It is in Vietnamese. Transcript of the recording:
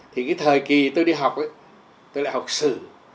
thì cái thời kỳ tôi đi học ấy tôi lại học sử